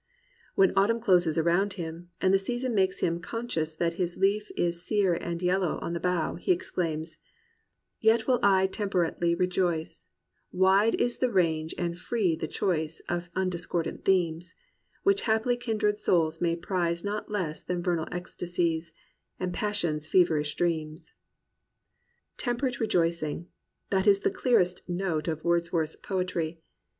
^* When autumn closes around him, and the season makes him conscious that his leaf is sere and yellow on the bough, he exclaims Yet will I temperately rejoice; Wide is the range and free the choice Of undiscordant themes; Which haply kindred souls may prize Not less than vernal ecstacies, And passion's feverish dreams." Temperate rejoicingy — that is the clearest note of Wordsworth's poetry.